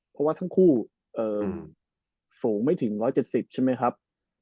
เพราะว่าทั้งคู่สูงไม่ถึง๑๗๐ใช่ไหมครับ